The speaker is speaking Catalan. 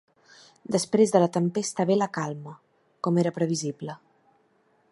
Després de la tempesta ve la calma, com era previsible.